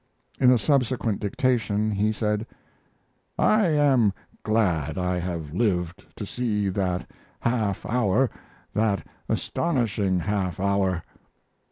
In a subsequent dictation he said: I am glad I have lived to see that half hour that astonishing half hour.